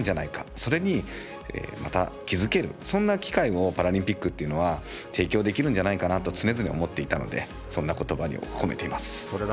それにまた気付けるそんな機会をパラリンピックというのは提供できるんじゃないかなと常々思っていたのでそんなことばに込めています。